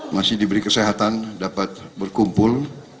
masih diberi kesehatan dapat berkumpul